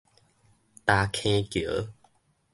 礁坑橋